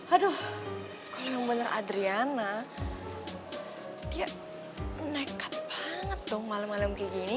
aduh kalau yang bener adriana dia nekat banget dong malem malem kayak gini